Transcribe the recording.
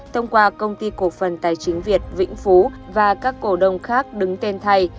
thông qua công ty cổ phần tài chính việt vĩnh phú và các cổ đông khác đứng tên thay